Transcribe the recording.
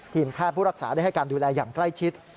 แพทย์ผู้รักษาได้ให้การดูแลอย่างใกล้ชิด